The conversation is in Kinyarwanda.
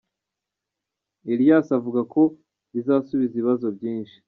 Elyas avuga ko bizasubiza ibibazo byinshi.